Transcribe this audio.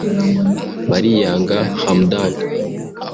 Bariyanga Hamdan